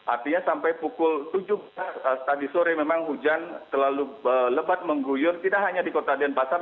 artinya sampai pukul tujuh tadi sore memang hujan terlalu lebat mengguyur tidak hanya di kota denpasar